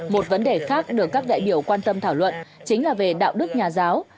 một vấn đề khác được các đại biểu quan tâm thảo luận chính là về đạo đức nhà giáo